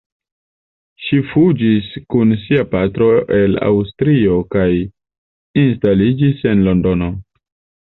Ŝi fuĝis kun sia patro el Aŭstrio kaj instaliĝis en Londono.